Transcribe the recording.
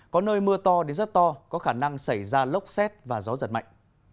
có nơi mưa to đến rất to có khả năng xảy ra lốc xét và gió giật mạnh